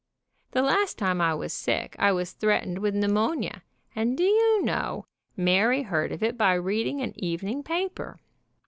The last time I was sick I was threatened with pneumonia, and do you know, Mary heard of it by reading an evening paper.